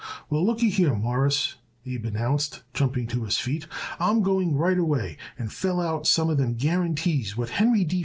"Well, lookyhere, Mawruss," Abe announced jumping to his feet, "I'm going right away and fill out one of them guarantees what Henry D.